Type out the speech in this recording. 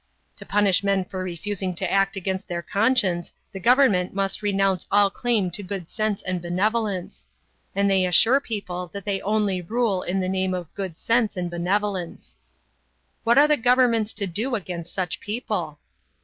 To punish men for refusing to act against their conscience the government must renounce all claim to good sense and benevolence. And they assure people that they only rule in the name of good sense and benevolence. What are governments to do against such people?